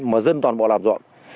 mà dân toàn bộ làm ruộng